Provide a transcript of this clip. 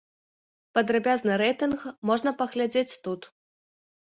Падрабязны рэйтынг можна паглядзець тут.